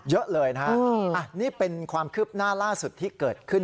เยอะเลยนะฮะนี่เป็นความคืบหน้าล่าสุดที่เกิดขึ้น